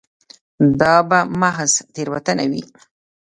دا به محض تېروتنه وي.